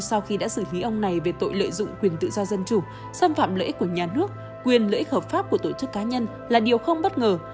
sau khi đã xử lý ông này về tội lợi dụng quyền tự do dân chủ xâm phạm lợi ích của nhà nước quyền lợi ích hợp pháp của tổ chức cá nhân là điều không bất ngờ